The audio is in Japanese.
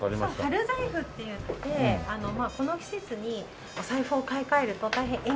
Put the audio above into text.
春財布といってこの季節にお財布を買い替えると大変縁起がいいと。